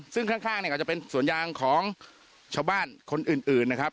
ซึ่งข้างเนี่ยก็จะเป็นสวนยางของชาวบ้านคนอื่นนะครับ